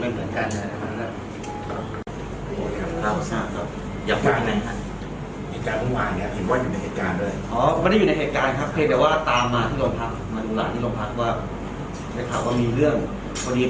ขอโทษด้วยนะครับเอาไว้เหตุการณ์ทางนี้บางทีมันเป็นความรู้สึกและคิดแต่ละบุคคลไม่เหมือนกันนะครับ